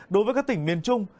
đối với các tỉnh miền trung